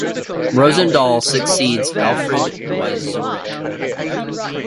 Rosendahl succeeds Alfried Wieczorek.